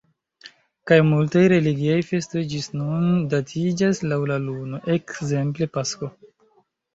Kaj multaj religiaj festoj ĝis nun datiĝas laŭ la luno, ekzemple pasko.